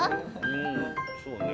うんそうね